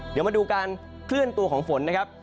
เดี๋ยวมาดูการเคลื่อนตัวของฝนนะครับ